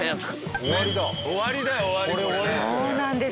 そうなんです！